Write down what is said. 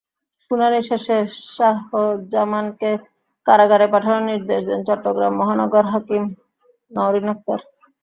শুনানি শেষে শাহজামানকে কারাগারে পাঠানোর নির্দেশ দেন চট্টগ্রাম মহানগর হাকিম নওরীন আক্তার।